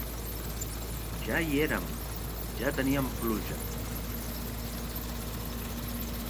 Ja hi érem! Ja teníem pluja.